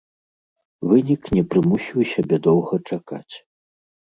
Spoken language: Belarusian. Вынік не прымусіў сябе доўга чакаць.